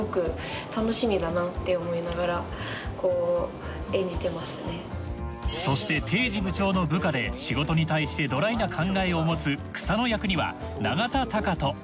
推しに命をかけるそして堤司部長の部下で仕事に対してドライな考えを持つ草野役には永田崇人。